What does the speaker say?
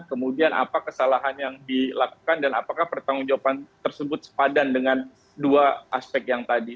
kemudian apa kesalahan yang dilakukan dan apakah pertanggung jawaban tersebut sepadan dengan dua aspek yang tadi